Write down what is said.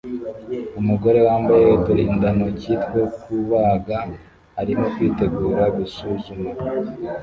Umugore wambaye uturindantoki two kubaga arimo kwitegura gusuzuma